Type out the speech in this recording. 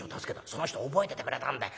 その人覚えててくれたんだ。